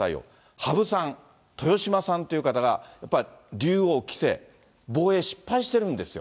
羽生さん、豊島さんという方が、やっぱり竜王、棋聖、防衛失敗してるんですよ。